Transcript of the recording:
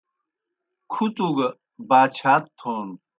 کُھتوْ گہ باچھات تھون